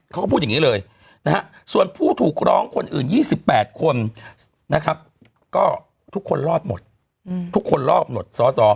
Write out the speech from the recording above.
เขาก็พูดอย่างนี้เลยนะฮะส่วนผู้ถูกร้องคนอื่น๒๘คนนะครับก็ทุกคนรอดหมดทุกคนรอดหมด